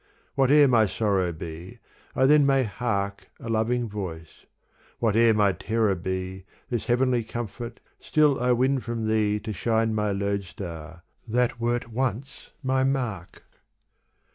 Whate'er my sorrow be I then may hark A loving voice : whate'er my terror be This heavenly comfort still I win from thee To shine my lodestar that wert once my mark.